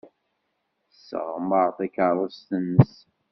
Yesseɣmer takeṛṛust-nnes.